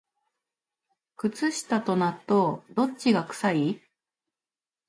靴下と納豆、どっちが臭い？